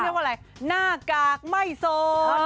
อันนี้ต้องเรียกว่าอะไรหน้ากากไม่โสด